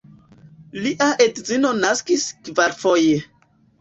Lia edzino naskis kvarfoje.